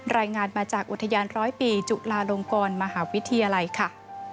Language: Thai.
รายงานมาจากอุทยานร้อยปีจุลาลงกรมหาวิทยาลัยค่ะ